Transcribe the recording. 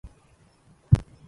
يأيهذا الكاتب المستثقل